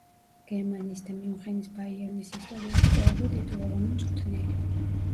გერმანიის და მიუნხენის ბაიერნის ისტორიაში ყველაზე ტიტულოვანი მწვრთნელი.